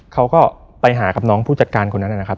เขาก็ไปหากับน้องผู้จัดการคนนั้นนะครับ